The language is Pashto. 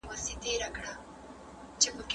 اوسنی ځوان بايد د تېرو حالاتو متن په غور سره ولولي.